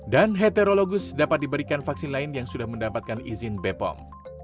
dan heterologus dapat diberikan vaksin lain yang sudah mendapatkan izin bepom